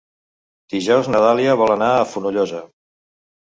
Dijous na Dàlia vol anar a Fonollosa.